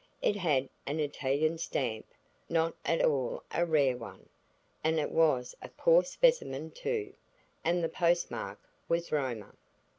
It had an Italian stamp–not at all a rare one, and it was a poor specimen too, and the post mark was Roma.